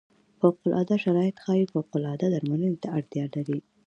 فوق العاده شرایط ښايي فوق العاده درملنې ته اړتیا لري.